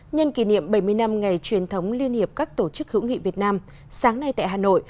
nhân kỷ niệm bảy mươi năm ngày truyền thống liên hiệp các tổ chức hữu nghị việt nam sáng nay tại hà nội